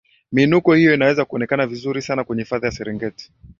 miinuko hiyo inaweza kuonekana vizuri sana kwenye hifadhi ya serengeti